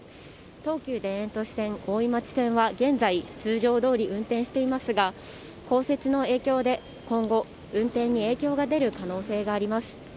東急田園都市線大井町線は現在、通常どおり運転していますが降雪の影響で今後、運転に影響が出る可能性があります。